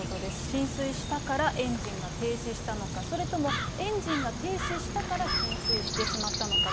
浸水したからエンジンが停止したのか、それともエンジンが停止したから浸水してしまったのか。